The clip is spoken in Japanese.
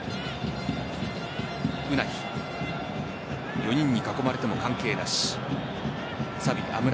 ４人に囲まれても関係なし。